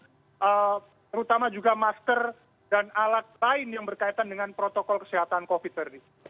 terutama juga masker dan alat lain yang berkaitan dengan protokol kesehatan covid sembilan belas